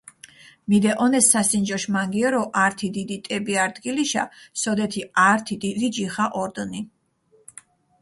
მიდეჸონეს სასინჯოშ მანგიორო ართი დიდი ტები არდგილიშა, სოდეთი ართი დიდი ჯიხა ორდჷნი.